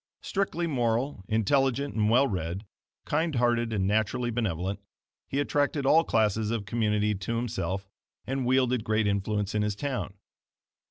Strictly moral, intelligent and well read, kind hearted and naturally benevolent, he attracted all classes of community to himself and wielded great influence in his town.